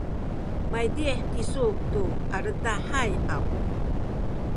maydih kisu tu aledahay haw?